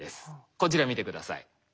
こちら見て下さい。